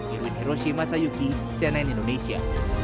irwin hiroshi masayuki cnn indonesia